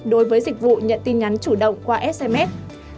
đối với dịch vụ nhận tin nhắn chủ động qua sms